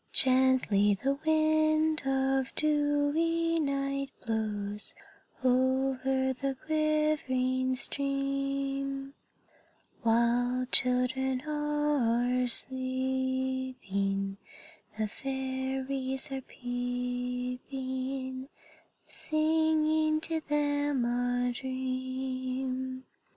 "_Gently the wind of the dewy night blows, Over the quivering stream; While children are sleeping, the fairies are peeping, Singing to them a dream.